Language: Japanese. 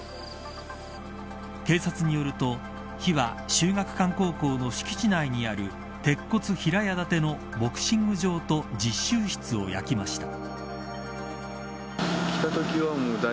警察によると火は秀岳館高校の敷地内にある鉄骨平屋建てのボクシング場と実習室を焼きました。